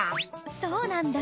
そうなんだ。